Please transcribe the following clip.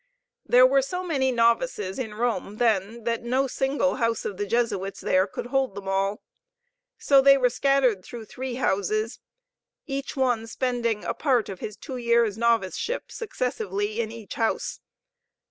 There were so many novices in Rome then that no single house of the Jesuits there could hold them all. So they were scattered through three houses, each one spending a part of his two years' noviceship successively in each house.